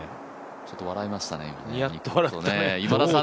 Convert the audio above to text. ちょっと笑いましたね、今田さん